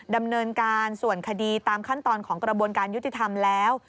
ดำเนินการส่วนคดีตามขั้นตอนของกระบวนการยุติธรรมแล้ว